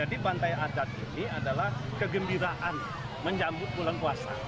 jadi bantai adat ini adalah kegembiraan menjamu pulang puasa